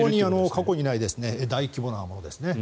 過去にない大規模なものですね。